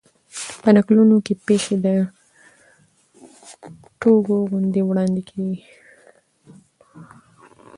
په نکلونو کښي پېښي د ټوګو غوندي وړاندي کېږي.